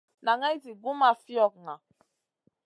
Naŋay zi gu ma fiogŋa.